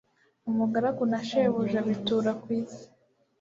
umugaragu na shebuja bitura ku isi